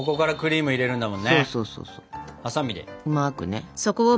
うまくね。